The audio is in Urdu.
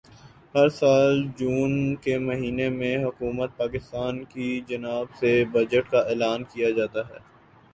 ہر سال جون کے مہینے میں حکومت پاکستان کی جانب سے بجٹ کا اعلان کیا جاتا ہے